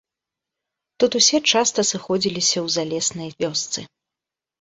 Тут усе часта сыходзіліся ў залеснай вёсцы.